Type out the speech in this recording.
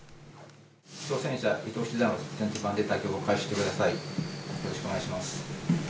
挑戦者伊藤七段先手番で対局を開始してください。